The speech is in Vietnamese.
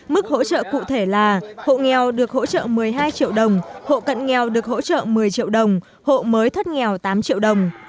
mức hỗ trợ cụ thể là hộ nghèo được hỗ trợ một mươi hai triệu đồng hộ cận nghèo được hỗ trợ một mươi triệu đồng hộ mới thất nghèo tám triệu đồng